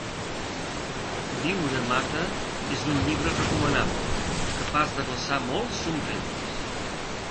Viure mata és un llibre recomanable, capaç de glaçar molts somriures.